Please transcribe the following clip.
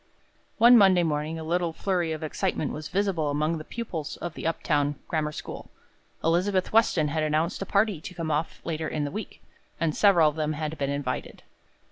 One Monday morning a little flurry of excitement was visible among the pupils of the up town grammar school. Elizabeth Weston had announced a party to come off later in the week, and several of them had been invited.